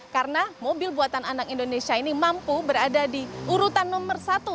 karena mobil buatan anak indonesia ini mampu berada di urutan nomor satu